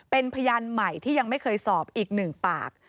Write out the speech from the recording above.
เป็นพยานใหม่ที่ยังไม่เคยสอบอีกหนึ่งปาก